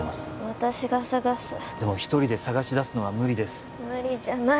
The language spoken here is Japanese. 私が捜すでも一人で捜し出すのは無理です無理じゃない